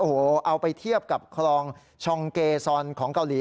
โอ้โหเอาไปเทียบกับคลองชองเกซอนของเกาหลี